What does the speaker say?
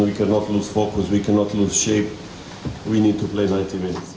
dan kita bisa meraih poin di kanan kita sendiri